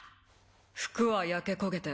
服は焼け焦げて